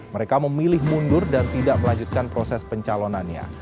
mereka memilih mundur dan tidak melanjutkan proses pencalonannya